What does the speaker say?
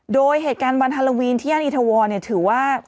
โดยเหตุการณ์วันฮาโลวีนที่ย่านอินทวรถือว่า